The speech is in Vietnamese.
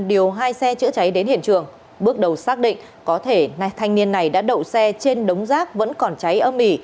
điều hai xe chữa cháy đến hiện trường bước đầu xác định có thể nam thanh niên này đã đậu xe trên đống rác vẫn còn cháy âm ỉ